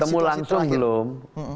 ketemu langsung belum